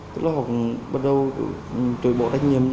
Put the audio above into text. tức là họ bắt đầu trụi bộ tách nhiệm chứ